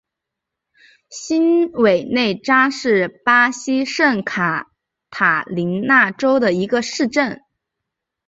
新韦内扎是巴西圣卡塔琳娜州的一个市镇。